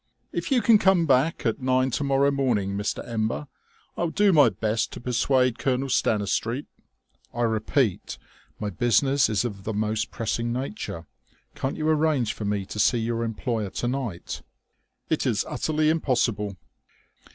"If you can come back at nine to morrow morning, Mr. Ember, I'll do my best to persuade Colonel Stanistreet " "I repeat, my business is of the most pressing nature. Can't you arrange for me to see your employer to night?" "It is utterly impossible."